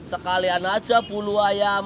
sekalian aja bulu ayam